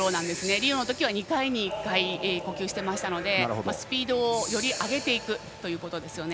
リオのときは２回に１回呼吸していましたのでスピードをより上げていくということですね。